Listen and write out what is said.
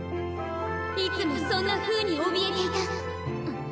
いつもそんなふうにおびえていた。